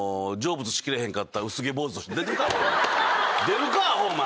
出るかアホお前。